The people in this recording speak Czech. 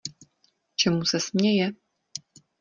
Čemu se směje?